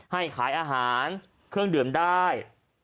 ให้ขายอาหารเครื่องดื่มได้